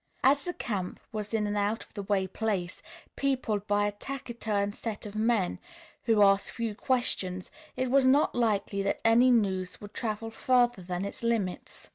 As the camp was in an out of the way place, peopled by a taciturn set of men who asked few questions, it was not likely that any news would travel farther than its limits.